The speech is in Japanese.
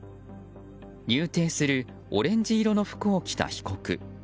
入廷するオレンジ色の服を着た被告。